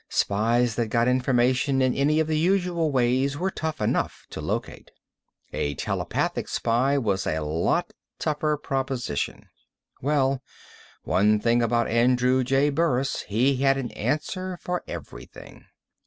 Spies that got information in any of the usual ways were tough enough to locate. A telepathic spy was a lot tougher proposition. Well, one thing about Andrew J. Burris he had an answer for everything.